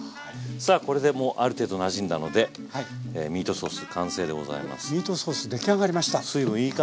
さあこれでもうある程度なじんだのでミートソース完成でございます。